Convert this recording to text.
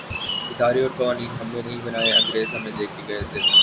ادارے اورقوانین ہم نے نہیں بنائے‘ انگریز ہمیں دے کے گئے تھے۔